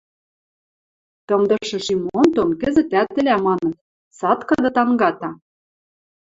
Тымдышы Шим Онтон кӹзӹтӓт ӹлӓ, маныт — цаткыды тангата!